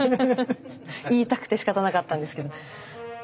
言いたくてしかたなかったんですけど。